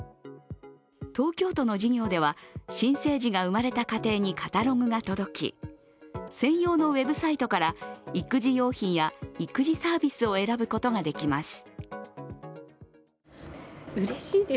東京都の事業では、新生児が生まれた家庭にカタログが届き専用のウェブサイトから育児用品や育児サービスを選ぶことができます。